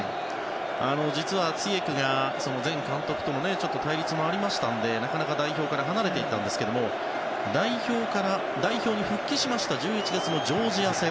実はツィエクが前監督との対立もありましたので代表から離れていたんですけど代表に復帰しました１１月のジョージア戦。